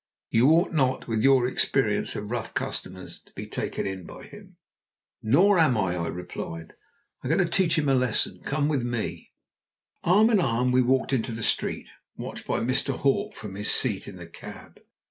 You ought not, with your experience of rough customers, to be taken in by him." "Nor am I," I replied. "I am going to teach him a lesson. Come with me." Arm in arm we walked into the street, watched by Mr. Hawk from his seat in the cab.